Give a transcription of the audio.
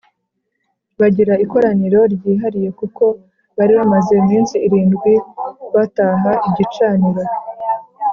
bagira ikoraniro ryihariye kuko bari bamaze iminsi irindwi bataha igicaniro